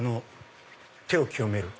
手を清める